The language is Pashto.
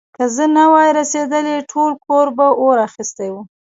که زه نه وای رسېدلی، ټول کور به اور اخيستی و.